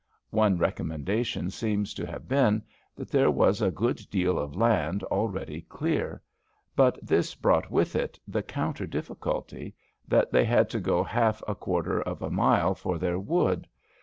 One recommendation seems to have been that there was a good deal of land already clear. But this brought with it the counter difficulty that they had to go half a quarter of a mile for their wood.